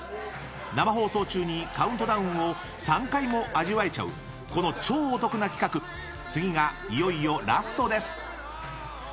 生放送中にカウントダウンを３回も味わえちゃうこの超お得な企画次がいよいよラストです！